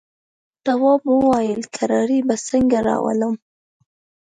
تواب وويل: کراري به څنګه راولم.